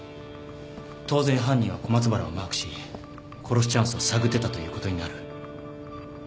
当然犯人は小松原をマークし殺すチャンスを探ってたということになる。